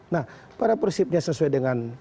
nah pada prinsipnya sesuai dengan